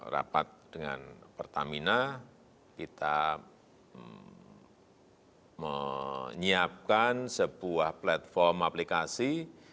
rapat dengan pertamina kita menyiapkan sebuah platform aplikasi